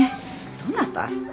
どなた？